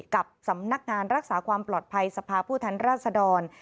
กับสำนักงานรักษาความปลอดภัยสภาพผู้แทนราชดร